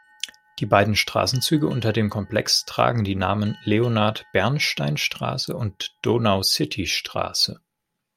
Die beiden Straßenzüge unter dem Komplex tragen die Namen Leonard-Bernstein-Straße und Donau-City-Straße.